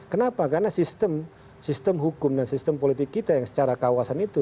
kenapa karena sistem hukum dan sistem politik kita yang secara kawasan itu